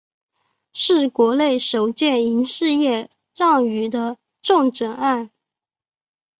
是国内首件营业式让与的重整案。